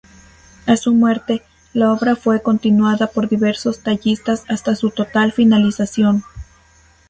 A su muerte, la obra fue continuada por diversos tallistas hasta su total finalización.